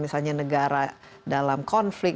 misalnya negara dalam konflik